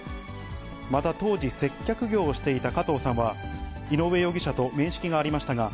また当時、接客業をしていた加藤さんは、井上容疑者と面識がありましたが、